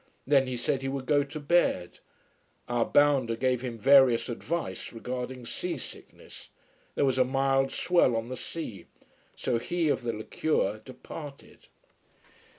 Then he said he would go to bed. Our bounder gave him various advice regarding seasickness. There was a mild swell on the sea. So he of the liqueur departed.